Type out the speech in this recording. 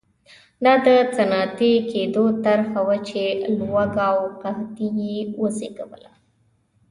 دا د صنعتي کېدو طرحه وه چې لوږه او قحطي یې وزېږوله.